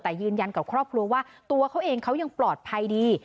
แต่ยืนยันกับครอบครัวว่าตัวเขาเองเขายังปลอดภัยดี